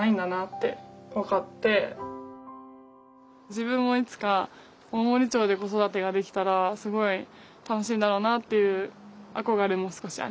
自分もいつか大森町で子育てができたらすごい楽しいんだろうなっていう憧れも少しあります。